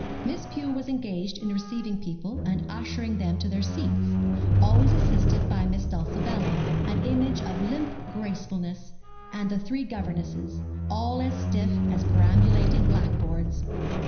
Miss Pew was engaged in receiving people, and ushering them to their seats, always assisted by Miss Dulcibella an image of limp gracefulness and the three governesses all as stiff as perambulating black boards.